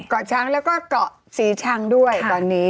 เกาะช้างแล้วก็เกาะศรีชังด้วยตอนนี้